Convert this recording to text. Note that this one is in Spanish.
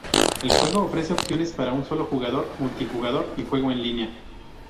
El juego ofrece opciones para un solo jugador, multijugador y juego en línea.